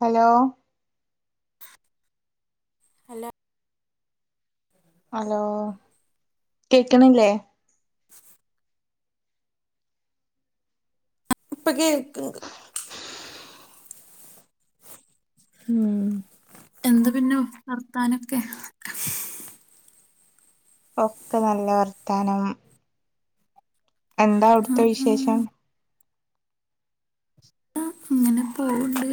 Hello hello hello കേക്ക്ണില്ലേ? [inaudible] ഇപ്പൊ കേക്ക്ണ്ട് ഉം എന്ത പിന്നെ വർത്താനൊക്കെ? ഒക്കെ നല്ല വർത്താനം. എന്താ ആ അട്ത്തെ ആ വിശേഷം? നെ പ്പോവ്ണ്ട്.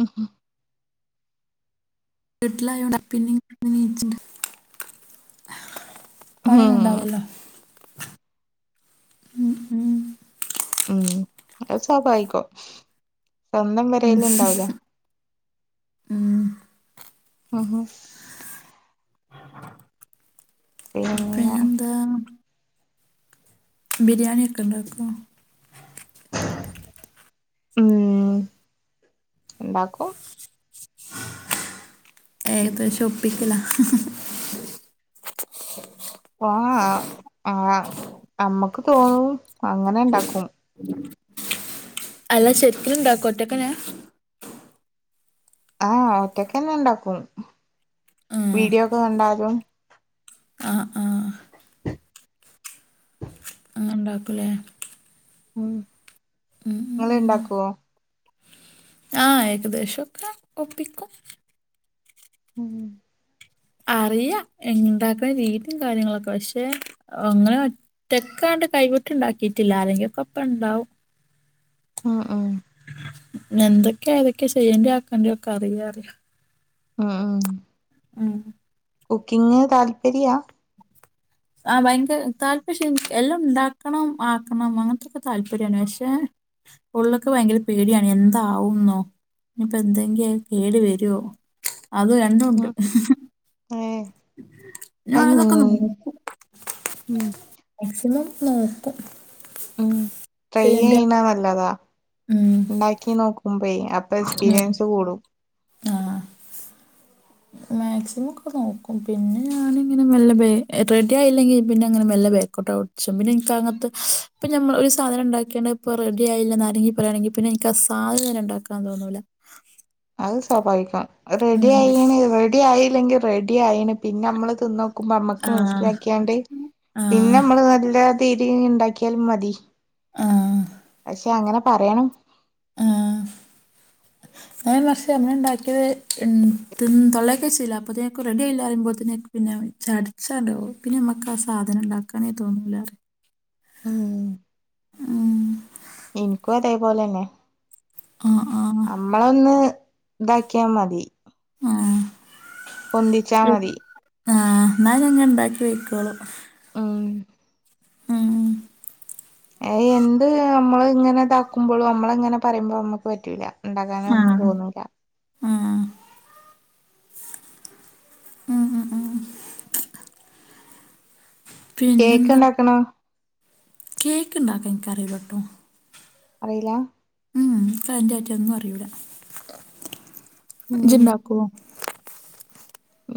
ഉം ഹ് വീട്ടിലായൊണ്ട് പിന്നെ [unintelligible] നീച്ച്ണെ ഉം പണ്യൊന്നുണ്ടാവൂലല്ലോ. ഉം ഉം ഉം അത് സ്വാഭാവികം സ്വന്തം ഉം പെരേല്ണ്ടാവൂല. ഉം ഉം ഹ് പിന്നെ പിന്നെന്താ? ബിരിയാണ്യാക്കെണ്ടാക്കോ? ഉം ഇണ്ടാക്കും. ഏകദേശൊപ്പിക്കലാ. ആഹ് ആഹ് ന് അമ്മക്ക് തോന്നും അങ്ങനെണ്ടാക്കും. ഉം. അല്ല ശെര്ക്ക്ന്ണ്ടാക്കോ ഒറ്റക്കെനെ? ആഹ് ഒറ്റക്കന്നെണ്ടാക്കും ആ വീഡിയോക്കെ കണ്ടാലും. ആഹ് ആഹ്. ന്നണ്ടാക്കുലേ. ഉം ഉം ഉം ഇങ്ങെള്ണ്ടാക്കോ? ആഹ് ഏകദേശൊക്കെ ഒപ്പിക്കും. ഉം അറിയഎൻ ണ്ടാക്കുന്ന രീതിം കാര്യങ്ങളൊക്കെ പക്ഷേ അങ്ങനെ ഒ റ്റെക്കാണ്ട് കൈവിട്ട്ണ്ടാക്കിയിട്ടില്ല ആരേങ്കിക്കോപ്പണ്ടാവും. ഉം ഉം എന്തൊക്കെ ഏതൊക്കെ ചെയ്യണ്ട്യേ ആക്കണ്ട്യേ ഒക്കെ അറിയാറ്യാ. ഉം ഉം ഉം കുക്കിങ്ങ് താല്പര്യ? ആഹ് ഭയങ്ക താല്പ ച ഇൻ എല്ലോണ്ടാക്കണം ആക്കണം അങ്ങൻത്തോക്കെ താല്പര്യാണ് പക്ഷേ ഉള്ള്ക്ക് ഭയങ്കര പേട്യാണ് എന്താവുംന്നോ ഇനിപ്പോ എന്തെങ്കി അത് കേട് വെരോ? അത് രണ്ടുണ്ട്. ഏഹ്. ഞാനോരോന്നൊക്കൊന്ന് നോക്കും ഉം മാക്സിമം നോക്കും. ഉം ട്രൈ ചെയ്യേണ്ട യ്യെയ്യ്‌ണെ നല്ലതാ ഉം ഇണ്ടാക്കി നോക്കുമ്പേയ് അ പ്പ ഉം എക്സ്പീരിയൻസ് കൂടും. മാക്സിമോക്കെ നോക്കും പിന്നെ ഞാനിങ്ങനെ മെല്ലെ ബെ റെഡ്യായില്ലെങ്കി പിന്നെ അങ്ങനെ മെല്ലെ ബേക്കോ ട്ടാവും. ഷം പിന്നെ ഇൻക്കങ്ങൻത്തൊ ഇപ്പ ഞമ്മള് ഒര് സാധനണ്ടാക്ക്യാണ്ട് ഇപ്പോ റെഡ്യായില്ലന്നാരേങ്കി പറയാണെങ്കി പിന്നെ ഇൻ ക്കാ സാധനെന്നെ ഇണ്ടാക്കാൻ തോന്നൂല. അയ് സ്വാഭാവികം ഉം റെഡ്യായിണ് റെഡ്യായില്ലെങ്കി റെഡ്യായിണ് പിന്നമ്മള് തിന്നോ ക്കുമ്പ അമ്മക്ക് ആ മനസ്സിലാക്കിയാണ്ട് ആ പിന്നെ അമ്മള് നല്ല രീതിയിലിണ്ടാക്കിയാലും മതി. ആ പക്ഷെ അങ്ങനെ പറേണം. കഴിഞ്ഞ പ്രാവശ്യം അങ്ങനെ ഉണ്ടാക്കിയത് തിൻ തൊള്ളെക്കെച്ച്ല അപ്പൊത്തേക്കും റെഡി ആയില്ല അറിയ്യുമ്പോത്തിനെക്ക്. പിന്നെ ചടച്ചാണ്ടോയ് പിന്നെ അമ്മക്ക് ആ സാധനം ഉണ്ടാക്കാനെ തോന്നൂല ഉം. ഉം. എനിക്കും അതേ പോലന്നെ. ആഹ് ആഹ് മ്മളൊന്ന് ഇതാക്കിയാ മതി. ആ പൊന്തിച്ചാ ഉം മതി. ആഹ് എന്നാലേ ഞാന് ഇണ്ടാക്കി വെക്കൊള്ളു മ്ഹ് ഏഹ് എന്ത് അമ്മള് ഇങ്ങനെ ഇതാക്കുമ്പോഴും അമ്മളെ ഇങ്ങനെ പറയുമ്പോ അമ്മക്ക് പറ്റൂല. ഇണ്ടാക്കാനൊന്നും ആഹ് തോന്നുലാ. ആഹ് മ്ഹ് മ്ഹ് മ്ഹ് കേക്ക്ണ്ടാക്കണോ? കേക്ക് ഇണ്ടാക്കാൻ എനിക്ക് അറിയൂലട്ടോ. അറിയില്ല ഉം എനിക്ക് അതിന്റെ കാര്യം ഒന്നും അറിയൂല ഇജ്ജ് ഉം ഇണ്ടാക്കോ?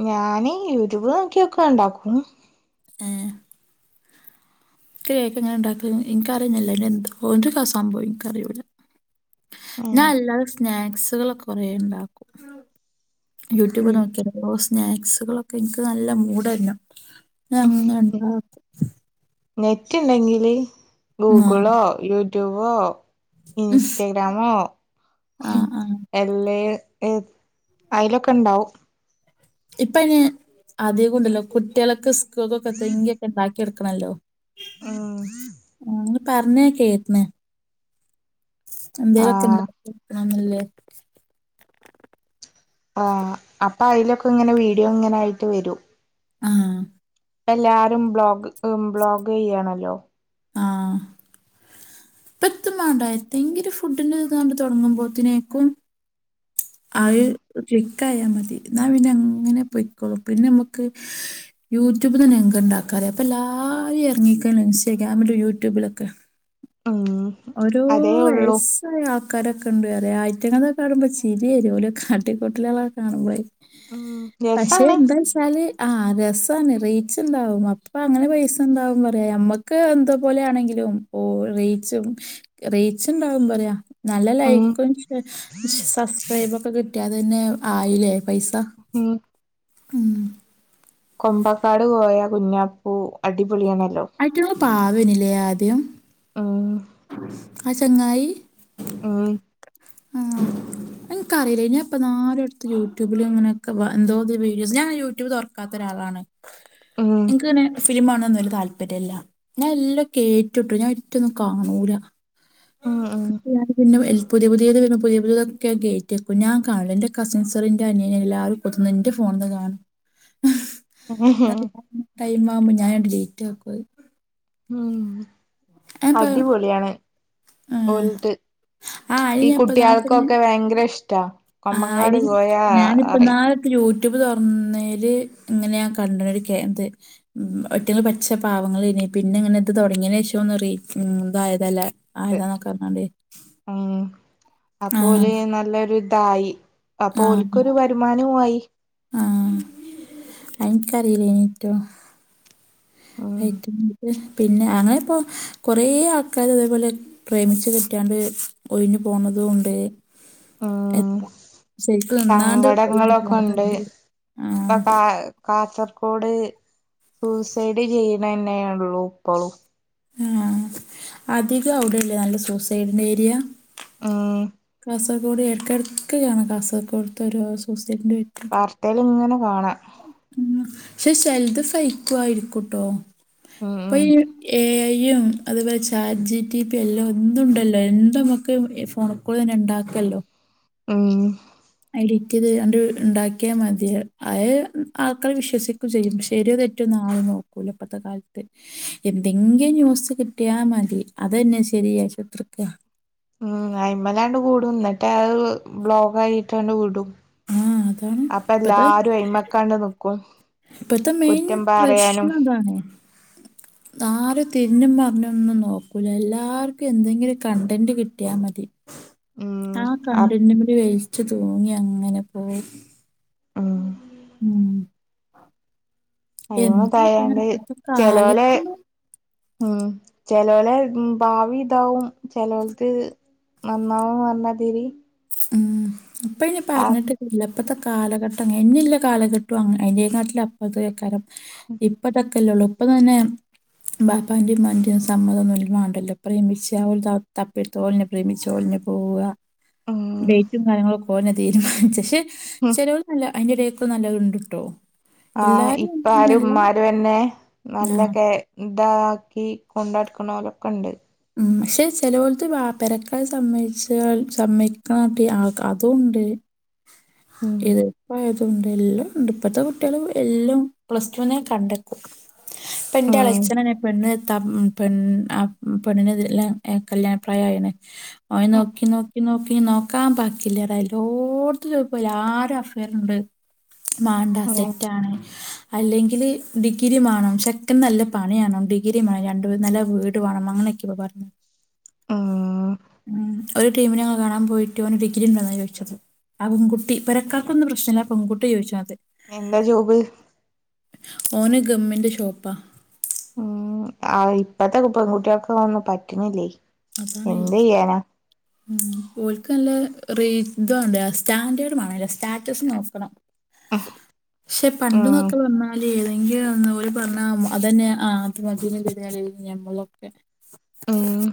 ഞാന് യൂട്യൂബ് നോക്കിയൊക്കെ ഒണ്ടാക്കും. ഏഹ് കേക്ക് അങ്ങനെ ഉണ്ടാക്കല് എനിക്ക് അറിഞ്ഞേയില്ല [unintelligible] ഒരു ഫസ് സംഭവോം എനിക്കറിയൂല. ഉം ഞാൻ അല്ലാതെ സ്നാക്സുകൾ കൊറേ ഉണ്ടാക്കും. യൂട്യൂബ് ഉം നോക്കി [unintelligible] ഓരോ സ്നാക്സുകളൊക്കെ എനിക്ക് നല്ല മൂഡ് വരണം ഉം [unintelligible] നെറ്റ് ഇണ്ടെങ്കില് ആഹ് ഗൂഗിളോ യൂട്യൂബോ. ഇൻസ്റ്റഗ്രാമോ ആഹ് ആഹ് അല്ലേ ഏഹ് അയിലൊക്കെ ഉണ്ടാവും. ഇപ്പ അയിന് അധികം ഉണ്ടല്ലോ കുട്ട്യളൊക്കെ സ്കൂക്കൊക്കെ എന്തെങ്കിയെക്കെ ഇണ്ടാക്കി എടുക്കണല്ലോ ഉം ആഹ് ഒന്ന് പറഞ്ഞ കേറ്റണ് എന്തേലൊക്കെ ആഹ് ഇണ്ടാക്കി കൊടുക്കണുന്നില്ലേ ആഹ് അപ്പൊ അയിലൊക്കെ ഇങ്ങനെ വീഡിയോ ഇങ്ങനെ ആയിട്ട് വരൂ ആഹ് ഇപ്പ എല്ലാരും ബ്ലോഗ് ബ്ലോഗ് ചെയ്യാണല്ലോ ആഹ് ഇപ്പത്തും വേണ്ടാ എന്തെങ്കിലും ഫുഡിന്റെ ഇത് കണ്ട് തൊടങ്ങുമ്പോത്ത്നേക്കും? ഉം ആയ് ക്ലിക്കായ മതി എന്നാ പിന്നെ അങ്ങനെ പൊയ്ക്കോളും പിന്നെ അമ്മക്ക് യൂട്യൂബിലന്നെ ഇങ്കം ഇണ്ടാക്കാറിയാം ഇപ്പോം എല്ലാരും എറങ്ങീക്കേണ് ഇൻസ്റ്റഗ്രാമില് യൂട്യൂബിലൊക്കെ. ഉം ഓരോ അതേ ഉള്ളൂ വയസ്സ് സ്സായ ആൾക്കാരൊക്കെ ഉണ്ട് പറയ അയിറ്റങ്ങളെ കാണുമ്പോ ചിരിവരും ഓല കാട്ടി ക്കൂട്ടലളക്ക കാണുമ്പളേ ഉം പക്ഷെ രസാണ് എന്താച്ചാല് ആഹ് അതെ രസാണ് റീച്ച് ഉണ്ടാവും അപ്പൊ അങ്ങനെ പൈസ ഉണ്ടാവും പറയാ നമ്മക്ക് എന്തൊ പോലെ ആണെങ്കിലും ഓഹ് റീച്ചും റീച്ച്ണ്ടാവും പറയാ നല്ല ഉം ലൈക്കും ശ് സബ്സ്ക്രൈബ് ഒക്കെ കിട്ടിയാ അത് തന്നെ ആയില്ലേ പൈസ ഉം മ്ഹ് കൊമ്പക്കാട് കോയാ കുഞ്ഞാപ്പൂ അടിപൊളിയണല്ലോ അയിറ്റിങ്ങള് പാവോനില്ലേ ആദ്യം ആഹ് ആ ചങ്ങായി മ്ഹ് എനക്ക് അറിയില്ല ഞാ ഇപ്പൊന്നാരഎടുത്ത് യൂട്യൂബില്, ഇങ്ങനൊക്കെ എന്തോ വീഡിയോസ് ഞാൻ യൂട്യൂബില് തുറക്കാത്ത ഒരാളാണ്. [inaudible] എക്ക്ങ്ങനെ... ഫിലിമ് കാണാനൊന്നും താല്പര്യമല്ല ഞാൻ എല്ലാം കേറ്റുട്ടോ ഞാൻ ഒറ്റൊന്നും കാണൂല. ഉം ഞാൻ പിന്നെ പുതിയ പുതി പുതിയത് വരുമ്പോഴൊക്കെ കയറ്റിവെക്കും ഞാൻ കാണലില്ല എന്റെ കസിൻസറി എന്റെറ അനിയനെ എല്ലാരും കൊത്തന്ന് ഇന്റെ ഫോണിന്ന് കാണും ഉം എന്ന ടൈം ആവുമ്പോ ഞാന് ഡിലേറ്റാക്കും അത് ആഹ് ഞാൻ ഇപ്പം അടിപൊളിയാണ് ആ ഓല്ദ് ആ, അതിന് ഈ ഞാൻ ഇപ്പം കുട്ടികൾക്കൊക്കെ ഭയങ്കര ഇഷ്ടാ. ആ കൊമ്പങ്കാട് അയിനി പോയാ ഞാനിപ്പ അറിയും നാരെ യൂട്യൂബ് തുറന്നേല് ഇങ്ങനെ ഞാൻ കണ്ടന ഒരു എന്ത് ഉം ഒറ്റെ പച്ച പാവങ്ങൾ ആയിനി പിന്നെ ഇങ്ങനെ ഇത് തുടങ്ങിയതിന് ശേഷം രി ഇതായതല്ലേ ഇത് ആയതാ [unintelligible] ഉം അപ്പൊഓല് നല്ലൊരു ഇതായി. അപ്പൊ ആഹ് ഒൽക്കൊരു വരുമാനൊ ആയി ആഹ് അധികറിലെനിട്ടോ ഉം യൂട്ടൂബ്ന്ന് പൊ പിന്നെ അങ്ങനെ ഇപ്പോ കൊറേ ആൾക്കാര് അതേപോലെ പ്രേമിച്ചു കെട്ടിയാണ്ട് ഒഴിഞ്ഞു പോണതുണ്ട് ഉം എതാ ശരിക്കും എന്നാണ്ട് ഒഴിഞ്ഞു പോണുണ്ട് പക്ക [unintelligible] കാസർകോഡ് സൂസൈഡ് ചെയ്യണ തന്നെയള്ളൂ ഇപ്പോളും ആഹ അധികം അവിടെല്ലേ നല്ല സൂസൈഡിന്റെ ഏരിയ ആഹ് കാസർഗോഡ് ഇടക്കിടകിടക്കണ കാസർഗോഡത്തെ ഒരു സോസിയറ്റിന്റെ വാർതൈല് ഇങ്ങനെ കാണാം ഉം പക്ഷെ ചിലത് ഫെയിക്കുമായിരിക്കുംട്ടോ ഉം ഇപ്പൊ ഉം ഇ ഏ എഐ യും അതുപോലെ ചാജ് ജി പി ടിയും എല്ലാം എന്നും ഇണ്ടല്ലോ എന്തും മക്കും ഫോണക്കൂടി തന്നെ ഇണ്ടാക്കല്ലോ ഉം എഡിറ്റ്ത് അ ഉണ്ടാക്കിയാൽ മതി അത് ആൾക്കൾ വിശ്വസിക്കുക ചെയ്യും ശരിയ തെ റ്റ്ന്ന് ആരും നോക്കൂല ഇപ്പത്തെ കാലത്ത് എന്തെങ്കിലും ന്യൂസ് കിട്ടിയാ മതി അത് തന്നെ ശരി വിചാരിച്ചു കുതിർക്കാ ഉം അയി്മലാണ്ട് കൂടും എന്നിട്ട് ബ്ലോഗ ആായിട്ടാണ്ട് വിടും ആ അതാണ് അപ്പ ഇപ്പത്തെ എല്ലാരും അ്യ്മക്കണ്ട് നിക്കും ഇപ്പത്തെ മെയിൻ കുറ്റം പറയാനും പ്രശ്നം അതാണ് [inaudible] ആരും തിരിഞ്ഞും മറഞ്ഞൊന്നും നോക്കൂല്ല എല്ലാവർക്കും എന്തെങ്കിലും കണ്ടൻറ് കിട്ടിയാൽ മതി [inaudible] ആ അപ് കണ്ടടുമല് വലിച്ചു തൂങ്ങി അങ്ങനെ പോവും ആഹ് ഉം എന്ത അയിമതായാണ്ട് ഇപ്പത്തെ ചെലോലെ കാലത്ത് ഉം ചെലോലെ ഭാവി ഇതാവും ചിലർക്ക് നന്നാവും പറഞ്ഞാ തീരി ഉം ഇപ്പ അയിന് പറഞ്ഞിട്ട് ഇല്ലപ്പഴത്തെ കാലഘട്ടം അങ്ങനെ ഇഞ്ഞിലെ കാലഘട്ടം അതിന്റെകാറ്റും അപ്പത്തെക്കാരം ഇപ്പതൊക്കല്ലേള്ളൂ ഇപ്പൊ തന്നെ ബാപ്പാന്റെ ഇമ്മന്റിം സമ്മതം മാണ്ടല്ലോ പ്രേമിച്ച ഓള് തപ്പിട്ടുത്തോ പ്രേമിച്ചോളനെ പോവ ഉം ഡേറ്റും കാര്യങ്ങളൊക്കെ ഒന്നെ തീരുമാനിച്ച പക്ഷെ ഉം ചെലർ നല്ല അതിന്റെറെ ഇടക്കും നല്ലത്ണ്ട്ട്ടോ ആഹ് ഇപാറും ഇമാരുംന്നെ ആ നല്ലൊ ക്കെ ഇതാക്കി കൊണ്ടടകുന്നൊലൊക്കെ ഇണ്ട് ഉം ക്ഷെ ചെലോൽത് വാ പെരക്കാര് സമ്മയ്ച്ചാൽ സമ്മയ്ക്കണ പി ആൾ ക്കതുണ്ട് ഉം ഇത്പ്പ എ തുണ്ട് എല്ലൂണ്ട് ഇപ്പത്തെ കുട്ട്യെള് എല്ലും പ്ലസ് ടു ന്നെ കണ്ടെക്കും. പ്പന്റെ ഉം ളച്ചന്നെന്നെ പെണ്ണ് ത്തപ് പെൺ അപ് പെണ്ണ്ൻ്റെതില് ല്ലാം എഹ് കല്യാണപ്രായായീണ്. ഓൻ നോക്കി നോ ക്കി നോക്കി നോക്കാം ബാക്കില്ല തലോട്ത്തു തേപോ യാരെ അഫെയറ്ണ്ട്. മാണ്ട ഉം സെറ്റാണ്. അല്ലെങ്കില് ഡിഗ്രി മാണം ചെക്കൻ നല്ല പണ്യാണം ഡിഗ്രി മാ രണ്ട് നെല വീട് വാണം. അങ്ങനെക്കാണ് പർഞ്ഞേ ഉം ഉം ഒര് ടീമിനെ ഞങ്ങള് കാണാൻ പോയി ട്ട് ഓന് ഡിഗ്രി ണ്ടോന്നാ ചോയ്ച്ചത് ആ പെൺകുട്ടി പെരക്കാര്ക്കൊന്നും പ്രശ്നല്ല ആ പെൺകുട്ടി ചോയ്ച്ച്ണത്. എന്താ ജോബ്? ഓന് ഗമ്മ് ൻ്റെ ഷോപ്പാ. ആവു ഇപ്പത്തെ പെൺകുട്ട്യൾക്ക് അതൊന്നും പറ്റ്ണില്ലേയ് അതാണ് ഈ- എന്തെയ്യാനാ. ഉം ഓൽക്ക് നല്ലേ റേ ഇതാണ്ടെ അസ്റ്റാൻഡേർഡ് മാണെല്ലോ സ്റ്റാറ്റസ് നോക്കണം. ക്ഷെ ഉം പണ്ട്ന്നൊക്കെ പർഞ്ഞാല് എൻക്ക് നോന്നുന്നു ഓല് പർഞ്ഞാ അതെന്നെ ആ അത് മതിന്ന്ള്ളൊരു നെലേയ്ലേനി ഞമ്മളൊക്കെ. ഉം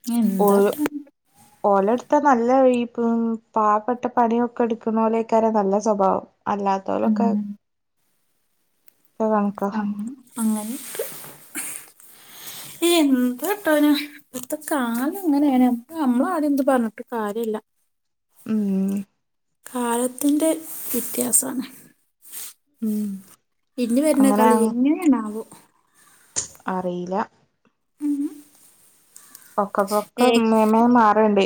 ഉം ഓ [unintelligible] എന്താട്ടാ ഓലെ ട്ത്താ നല്ല ഈ പ്പം പാവപ്പെട്ട പണ്യൊക്കെട്ക്ക്ണോലേക്കാരം നല്ല സ്വഭാവം. അല്ലാത്തോലൊക്കെ ഉം പോ [unintelligible] അങ്ങനെ അങ്ങനിണ്ട്. [inaudible] എന്താട്ടാനാ? ഇപ്പത്തെ കാലങ്ങനെണ് പ്പ അമ്മളാരും എന്തും പർഞ്ഞിട്ട് കാര്യല്ല. ഉം കാലത്തിന്റെ വ്യത്യാസാണ് ഉം ഇഞ് വെര്ന്ന അങ്ങനെ ഇങ്ങനെണാവോ? അറീല്ല. ഒക്ക ഏ പൊക്കം മേയമനം മാറ്ണ്ട്.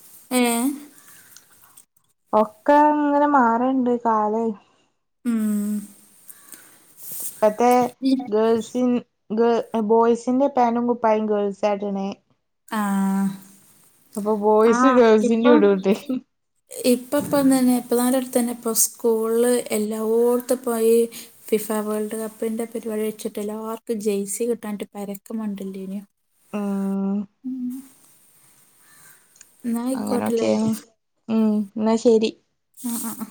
[unintelligible] ഒക്കെ ങ്ങനെ മാറ്ണ്ട് കാലേ ഉം ഇപ്പത്തെ ഇ ഗേൾസ്ൻ ഗേ എഹ് ബോയ്സിന്റെ പാന്റും കുപ്പായും ഗേൾസാട്ണേ. ആഹ് അപ്പൊ ബോയ്സ് ഗേൾസിൻ്റുട്ണ്ട്. ഇപ്പപ്പൊതെന്നെ ഇപ്പന്നാരെട്ത്തെന്നെ ഇപ്പൊ സ്കൂളില് എല്ലോട്ത്തുപ്പോ ഈ ഫിഫ വേൾഡ് കപ്പിന്റെ പരിവാടി വെച്ചിട്ട് എല്ലാർക്കും ജേഴ്സി കിട്ടാഞ്ഞിട്ട് പരക്കം മണ്ടല്ലേന്യോ. ആഹ് ന്നാ അയ്ക്കൊട്ടെല്ലേ അങ്ങനൊക്കെയാണ് ഉം ന്ന ശെരി. ആഹ് ആഹ് ആഹ്